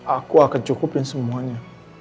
aku akan cukupin semuanya